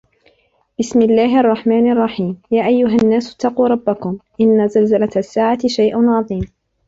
بِسْمِ اللَّهِ الرَّحْمَنِ الرَّحِيمِ يَا أَيُّهَا النَّاسُ اتَّقُوا رَبَّكُمْ إِنَّ زَلْزَلَةَ السَّاعَةِ شَيْءٌ عَظِيمٌ